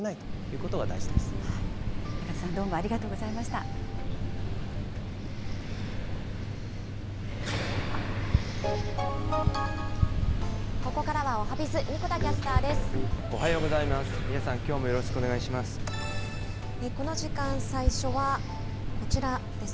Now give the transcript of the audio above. ここからはおはＢｉｚ、おはようございます。